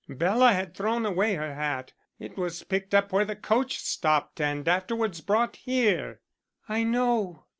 Bela had thrown away her hat; it was picked up where the coach stopped and afterwards brought here." "I know.